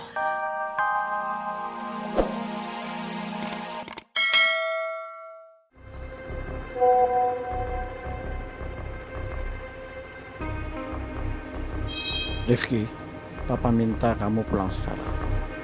rifki bapak minta kamu pulang sekarang